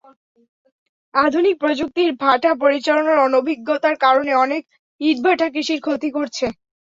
আধুনিক প্রযুক্তির ভাটা পরিচালনার অনভিজ্ঞতার কারণে অনেক ইটভাটা কৃষির ক্ষতি করছে।